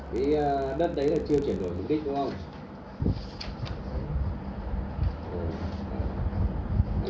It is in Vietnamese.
cái đất đấy là chưa chuyển đổi mục đích đúng không